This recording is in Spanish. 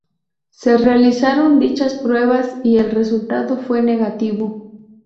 Se realizaron dichas pruebas, y el resultado fue negativo.